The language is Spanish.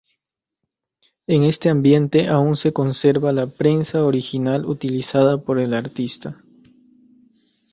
En este ambiente aún se conserva la prensa original utilizada por el artista.